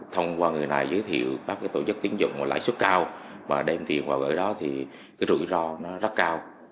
thông qua người này giới thiệu các tổ chức tiến dụng mà lãi suất cao và đem tiền vào gửi đó thì cái rủi ro nó rất cao